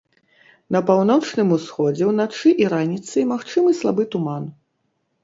На паўночным усходзе ўначы і раніцай магчымы слабы туман.